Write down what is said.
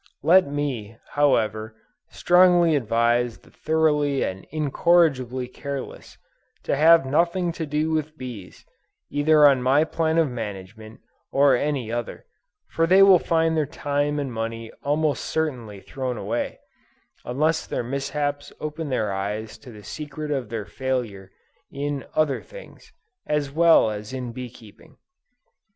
Let me, however, strongly advise the thoroughly and incorrigibly careless, to have nothing to do with bees, either on my plan of management, or any other; for they will find their time and money almost certainly thrown away; unless their mishaps open their eyes to the secret of their failure in other things, as well as in bee keeping.